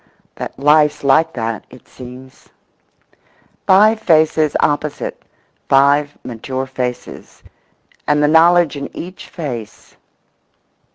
That life's like that, it seems. Five faces opposite—five mature faces—and the knowledge in each face.